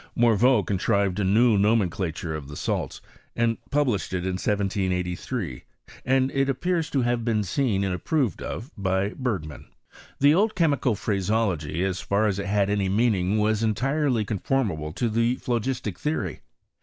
Morveau contrived a new nomen clature of the salts, and published it in 1783; and it appears to have been seen and approved of by Bei^man. The old chemical phraseology as far as it had any meaning was entirely conformable to the phlogistic theory.